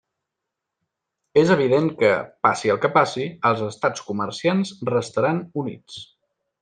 És evident que, passi el que passi, els estats comerciants restaran units.